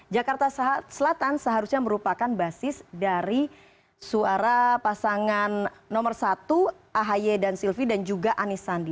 jakarta selatan seharusnya merupakan basis dari suara pasangan nomor satu ahaye dan sylvie dan juga anisandi